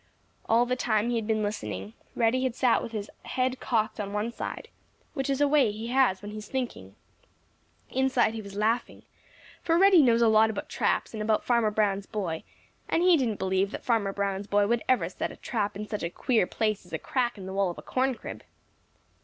All the time he had been listening, Reddy had sat with his head cocked on one side, which is a way he has when he is thinking. Inside he was laughing, for Reddy knows a lot about traps and about Farmer Brown's boy, and he didn't believe that Farmer Brown's boy would ever set a trap in such a queer place as a crack in the wall of a corn crib.